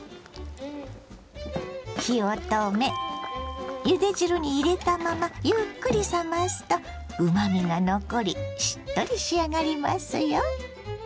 火を止めゆで汁に入れたままゆっくり冷ますとうまみが残りしっとり仕上がりますよ。